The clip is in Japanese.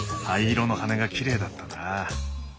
灰色の羽がきれいだったな。